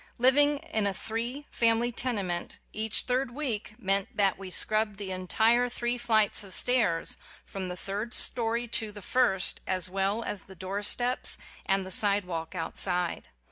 Living in a three family tene ment, each third week meant that we scrubbed the entire three flights of stairs from the third story to the first, as well as the doorsteps and the side walk outside.